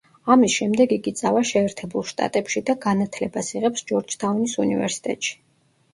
ამის შემდეგ იგი წავა შეერთებულ შტატებში და განათლებას იღებს ჯორჯთაუნის უნივერსიტეტში.